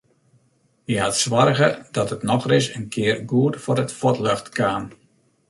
Hy hat soarge dat it nochris in kear goed foar it fuotljocht kaam.